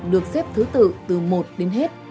được xếp thứ tự từ một đến hết